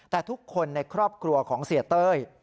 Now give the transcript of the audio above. แต่ทุกคนในครอบครัวของเสียเต้ย